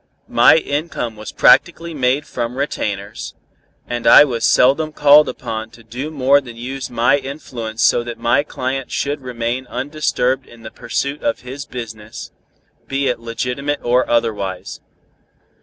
My income was practically made from retainers, and I was seldom called upon to do more than to use my influence so that my client should remain undisturbed in the pursuit of his business, be it legitimate or otherwise.